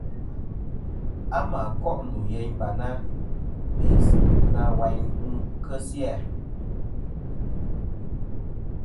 A mà koʼ ndù yeyn Barna, be na wayn nɨn kesi a.